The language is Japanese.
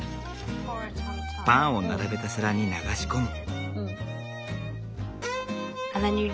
パンを並べた皿に流し込む。